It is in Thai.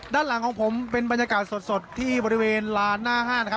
ด้านหลังของผมเป็นบรรยากาศสดที่บริเวณลานหน้าห้างนะครับ